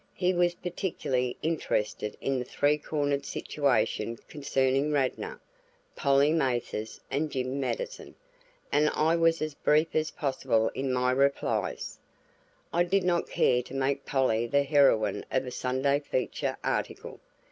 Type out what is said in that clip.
He was particularly interested in the three cornered situation concerning Radnor, Polly Mathers, and Jim Mattison, and I was as brief as possible in my replies; I did not care to make Polly the heroine of a Sunday feature article.